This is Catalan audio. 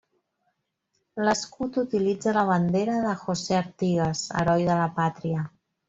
L'escut utilitza la bandera de José Artigas, heroi de la pàtria.